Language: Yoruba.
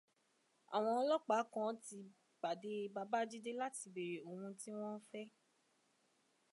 Àwọn ọlọ́pàá kan ti pàdé Babájídé láti bèère oun tí wọ́n fẹ́